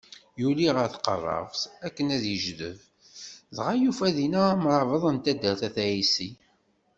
Yuli ɣer tqeṛṛabt akken ad yejdeb, dɣa yufa dinna amṛabeḍ n taddart n At Ɛisi.